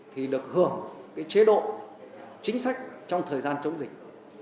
thì được hưởng chế độ chính sách trong thời gian chống dịch